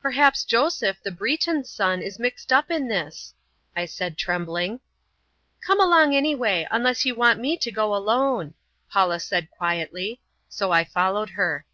"Perhaps Joseph, the Breton's son, is mixed up in this!" I said trembling. "Come along anyway, unless you want me to go alone," Paula said quietly. So I followed her.